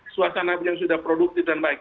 suasana yang sudah produktif dan baik